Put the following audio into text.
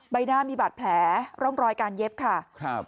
ใบหน้ามีบาดแผลร่องรอยการเย็บค่ะครับ